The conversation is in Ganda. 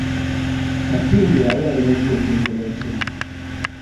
Katinge yali alemeddwa ekintu n’ekimu?